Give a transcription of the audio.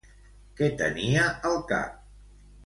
Què tenia al cap?